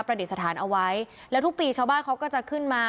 ดิษฐานเอาไว้แล้วทุกปีชาวบ้านเขาก็จะขึ้นมา